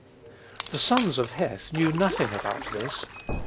The sons of Heth knew nothing about this.